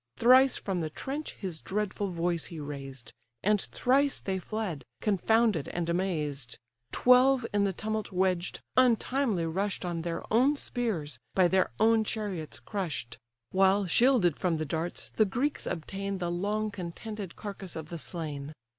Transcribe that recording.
Thrice from the trench his dreadful voice he raised, And thrice they fled, confounded and amazed. Twelve in the tumult wedged, untimely rush'd On their own spears, by their own chariots crush'd: While, shielded from the darts, the Greeks obtain The long contended carcase of the slain.